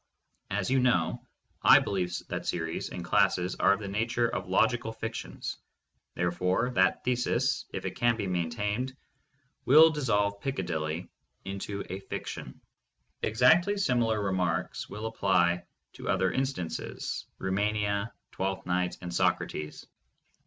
As you know, I believe that series and classes are of the nature of logical fictions : therefore that thesis, if it can be maintained, will dissolve Piccadilly into a fiction. Exactly similar remarks will apply to other instances : Rumania, Twelfth Night, and Socrates.